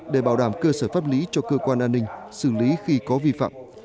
để bảo đảm cơ sở pháp lý cho cơ quan an ninh xử lý khi có vi phạm